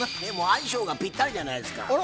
でも相性がぴったりじゃないですか。